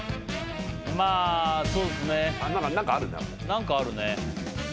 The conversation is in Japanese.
何かあるね。